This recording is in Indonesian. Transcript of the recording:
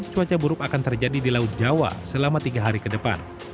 cuaca buruk akan terjadi di laut jawa selama tiga hari ke depan